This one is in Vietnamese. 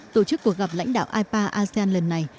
tổ chức cuộc gặp lãnh đạo ipa asean lần này